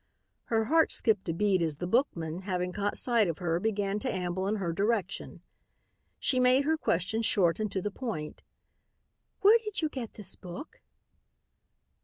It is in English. Her heart skipped a beat as the bookman, having caught sight of her, began to amble in her direction. She made her question short and to the point. "Where did you get this book?"